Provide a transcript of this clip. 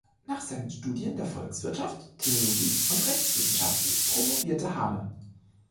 Nach seinen Studien der Volkswirtschaft, Theologie und Rechtswissenschaften promovierte Hamer.